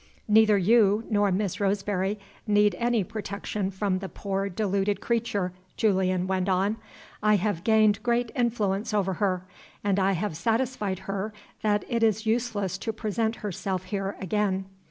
"Neither you nor Miss Roseberry need any protection from the poor deluded creature," Julian went on. "I have gained great influence over her and I have satisfied her that it is useless to present herself here again."